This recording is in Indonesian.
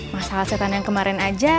masalah setan yang kemarin aja